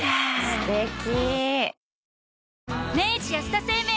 すてき。